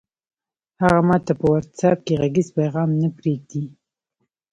هغه ماته په وټس اپ کې غږیز پیغام نه پرېږدي!